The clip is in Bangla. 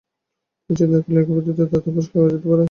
তিনি চিন্তা করলেন একই পদ্ধতিতে দাঁতও পরিষ্কার করা যেতে পারে।